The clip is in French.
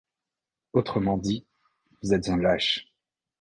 Autrement dit: Vous êtes un lâche!